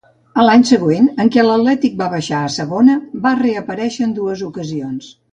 A l'any següent, en què l'Atlètic va baixar a Segona, va reaparèixer en dues ocasions.